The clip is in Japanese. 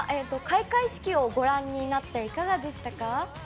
開会式をご覧になっていかがでしたか？